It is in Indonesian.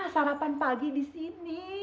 sarapan pagi di sini